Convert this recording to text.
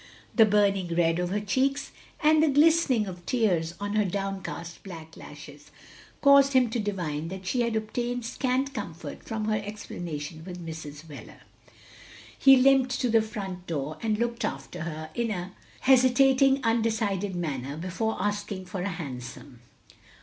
The burning red of her cheeks, ancj the glis OF GROSVENOR SQUARE 105 tening of tears on her downcast black lashes, caused him to divine that she had obtained scant comfort from her explanation with Mrs. Wheler. He limped to the front door, and looked after her, in a hesitating, undecided manner, before asking for a hansom.